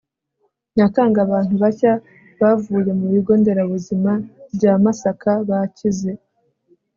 nyakanga, abantubashya bavuye mu bigo nderabuzima byamasaka bakize